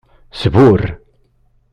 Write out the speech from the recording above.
Sburr.